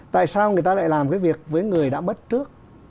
tại sao người ta lại làm cái việc với người đã mất trước